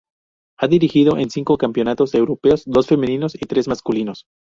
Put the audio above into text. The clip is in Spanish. Ha dirigido en cinco campeonatos europeos, dos femeninos y tres masculinos.